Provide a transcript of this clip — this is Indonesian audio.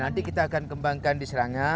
ya nanti kita akan kembangkan diserangan